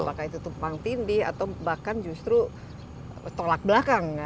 apakah itu tumpang tindih atau bahkan justru tolak belakang